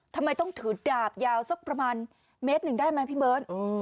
ทำไมต้องถือดาบยาวสักประมาณเมตรหนึ่งได้ไหมพี่เบิร์ต